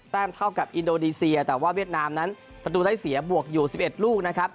เท่ากับอินโดนีเซียแต่ว่าเวียดนามนั้นประตูได้เสียบวกอยู่๑๑ลูกนะครับ